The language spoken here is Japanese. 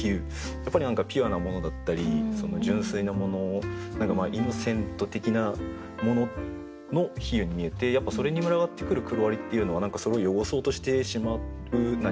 やっぱり何かピュアなものだったり純粋なものイノセント的なものの比喩に見えてやっぱそれに群がってくる黒蟻っていうのは何かそれを汚そうとしてしまう何か。